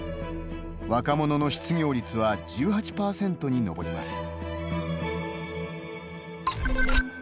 若者の失業率は１８％に上ります。